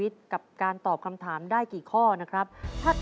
ถ้าตอบถูก๑ข้อรับ๕๐๐๐บาท